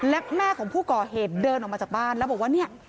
และแม่ของผู้ก่อเหตุเดินออกมาจากบ้านแล้วบอกว่าเนี่ย